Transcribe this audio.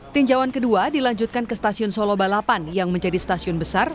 tinjauan kedua dilanjutkan ke stasiun solo balapan yang menjadi stasiun besar